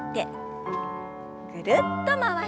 ぐるっと回して。